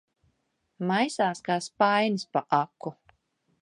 Maisās kā spainis pa aku.